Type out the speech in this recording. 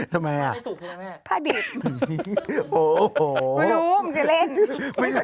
ทำไมอ่ะแม่ผ้าดิบโอ้โหไม่รู้มันจะเล่น